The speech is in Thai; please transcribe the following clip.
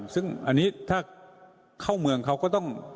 ซึ่งอันนี้ถ้าเข้าเมืองเขาก็ต้อง